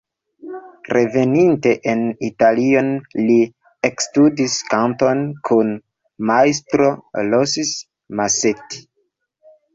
Reveninte en Italion li ekstudis kanton kun Majstro Rossi-Masetti.